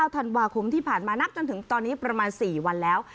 ธันวาคมที่ผ่านมานับจนถึงตอนนี้ประมาณ๔วันแล้ว